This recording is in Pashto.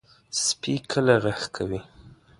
سپي کله غږ کوي.